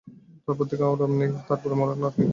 তার পর থেকে আর আরাম নেই, তার পরে মরণ আর-কি!